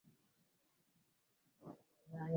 Ni sera ambazo zitakuwa shirikishi kwa vijana